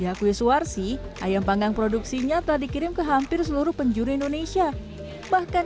diakui suwarsi ayam panggang produksinya telah dikirim ke hampir seluruh penjuru indonesia bahkan